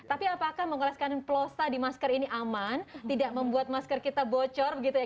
tapi apakah mengoleskan plosa di masker ini aman tidak membuat masker kita bocor begitu ya